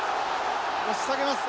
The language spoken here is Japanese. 押し下げます。